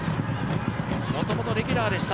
もともとレギュラーでした。